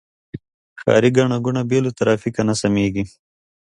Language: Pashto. ښاري ګڼه ګوڼه بې له ترافیکه نه سمېږي.